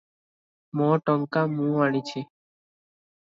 ମୋ ଟଙ୍କା ମୁଁ ଆଣିଛି ।"